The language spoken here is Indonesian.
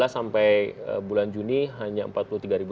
dua ribu enam belas sampai bulan juni hanya empat puluh tiga ribu